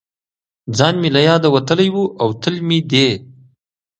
ځان مې له یاده وتلی و او تل مې دې